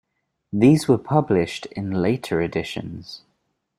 These were published in later editions.